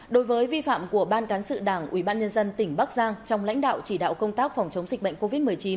đối với vi phạm của ban cán sự đảng ủy ban nhân dân tỉnh bắc giang trong lãnh đạo chỉ đạo công tác phòng chống dịch bệnh covid một mươi chín